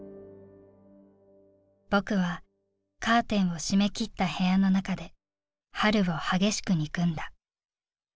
「僕はカーテンを閉めきった部屋の中で春を激しく憎んだ。